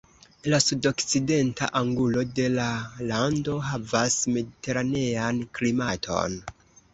La sudokcidenta angulo de la lando havas Mediteranean klimaton.